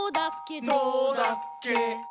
どうだっけ？